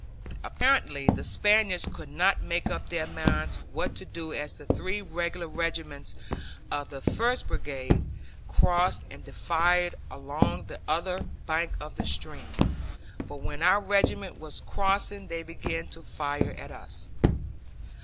Apparently the Spaniards could not make up their minds what to do as the three regular regiments of the first brigade crossed and defiled along the other bank of the stream, but when our regiment was crossing they began to fire at us.